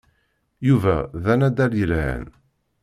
Yuba d anaddal yelhan.